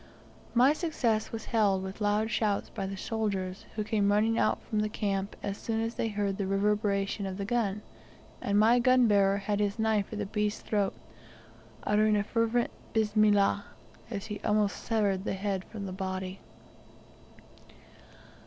My success was hailed with loud shouts by the soldiers; who came running out from the camp as soon as they heard the reverberation of the gun, and my gun bearer had his knife at the beast's throat, uttering a fervent "Bismillah!" as he almost severed the head from the body.